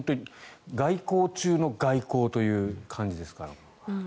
外交中の外交という感じですから。